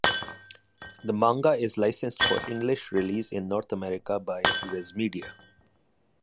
The manga is licensed for English release in North America by Viz Media.